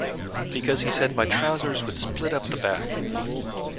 Because he said my trousers would split up the back.